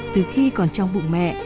từ khi còn trong bụng mẹ